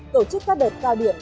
tổ chức các đợt cao điểm